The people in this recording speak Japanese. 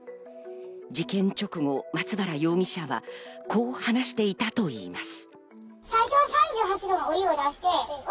事件直後、松原容疑者はこう話していたといいます。